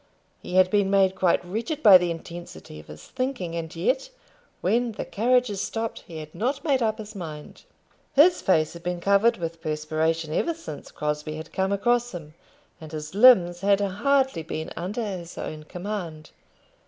He had been made quite wretched by the intensity of his thinking; and yet, when the carriages stopped, he had not made up his mind. His face had been covered with perspiration ever since Crosbie had come across him, and his limbs had hardly been under his own command.